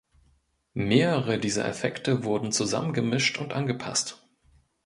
Mehrere dieser Effekte wurden zusammengemischt und angepasst.